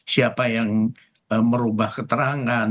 siapa yang merubah keterangan